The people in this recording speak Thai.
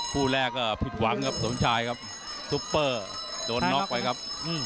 คู่แรกก็ผิดหวังครับสมชายครับซุปเปอร์โดนน็อกไปครับ